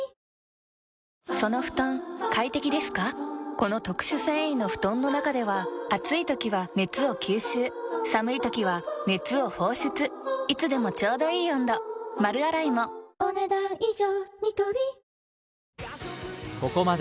この特殊繊維の布団の中では暑い時は熱を吸収寒い時は熱を放出いつでもちょうどいい温度丸洗いもお、ねだん以上。